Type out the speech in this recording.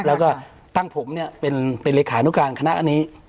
แล้วก็ตั้งผมเป็นรีคานุการณ์ขณะนี้